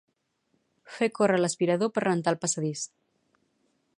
Fer córrer l'aspirador per rentar el passadís.